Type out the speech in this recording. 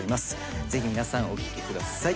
ぜひ皆さんお聴きください。